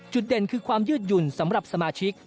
เด่นคือความยืดหยุ่นสำหรับสมาชิก